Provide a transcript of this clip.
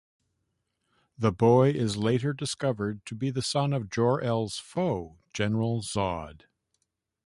The boy is later discovered to be the son of Jor-El's foe, General Zod.